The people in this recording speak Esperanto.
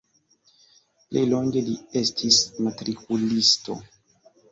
Plej longe li estis matrikulisto.